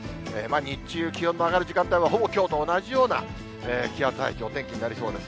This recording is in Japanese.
日中、気温の上がる時間帯は、ほぼきょうと同じような気圧配置、お天気になりそうです。